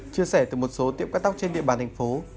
chia sẻ từ một số tiệm cắt tóc trên địa bàn thành phố